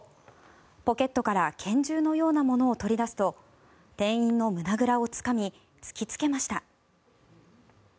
ポケットから拳銃のようなものを取り出すと店員の胸ぐらをつかみ突きつけました。